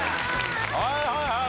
はいはいはい。